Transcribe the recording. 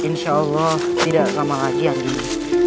insya allah tidak lama lagi anggi